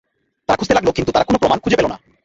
তারা খুঁজতে লাগল কিন্তু তারা কোন প্রমাণ খুঁজে পেল না।